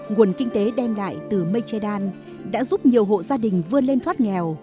nguồn kinh tế đem lại từ mechidan đã giúp nhiều hộ gia đình vươn lên thoát nghèo